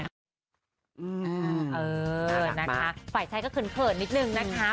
น่ารักมากนะคะฝ่ายชายก็เขินเพลินนิดหนึ่งนะคะ